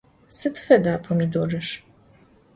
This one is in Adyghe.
Sıd feda pomidorır?